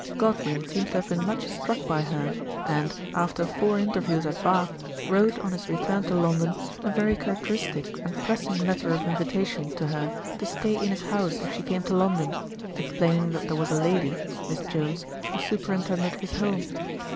Godwin seems to have been much struck by her, and, after four interviews at Bath, wrote on his return to London a very characteristic and pressing letter of invitation to her to stay in his house if she came to London, explaining that there was a lady (Miss Jones) who superintended his home.